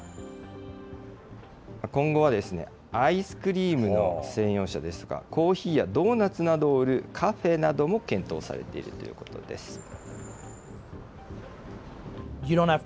今後は、アイスクリームの専用車ですとか、コーヒーやドーナツなどを売るカフェなども検討されているということです。